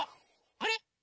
あれ？